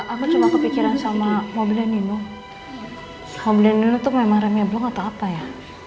aku cuma kepikiran sama mobilnya nino mobilnya itu memang remnya belum atau apa ya